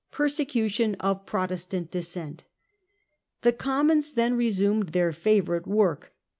Persecution of Protestant Dissent The Commons then resumed their » favourite work.